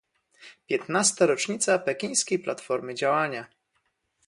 Piętnasta rocznica pekińskiej platformy działania